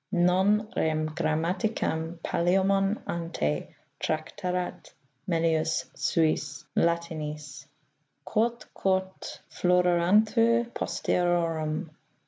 Non rem grammaticam Palsemon ante Tractarat melius suis latinis, Quotquot floruerantue posterorum.